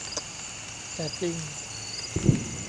แต่จริง